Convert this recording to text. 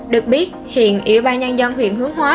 được biết hiện ủy ban nhân dân huyện hướng hóa